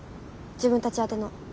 自分たち宛ての。